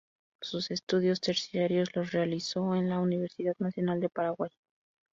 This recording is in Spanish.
Sus estudios terciarios los realizó en la Universidad Nacional de Paraguay.